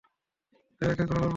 রেহানকে কোনো গল্প শোনাও।